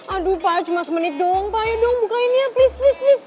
aduh pak cuma semenit doang pak ya dong buka ini ya please please please